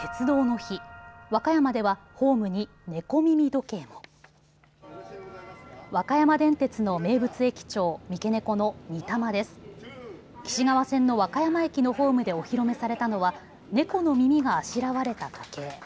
貴志川線の和歌山駅のホームでお披露目されたのは猫の耳があしらわれた時計。